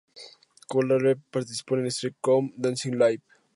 Kovalev participó en el "Strictly Come Dancing Live!